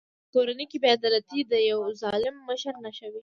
په کورنۍ کې بې عدالتي د یوه ظالم مشر نښه وي.